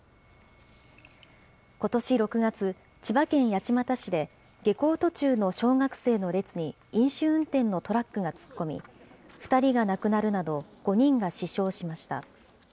ことし６月、千葉県八街市で下校途中の小学生の列に飲酒運転のトラックが突っ込み、２人が亡くなるなど、５人が死傷しました。